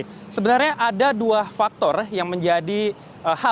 jadi sebenarnya ada dua faktor yang menjadi hal